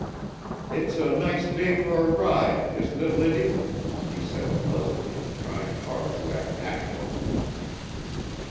"It's a nice day for a ride, isn't it, Liddy?" he said pleasantly, trying hard to act natural.